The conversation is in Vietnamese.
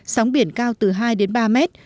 sóng biển cao từ hai đến ba mét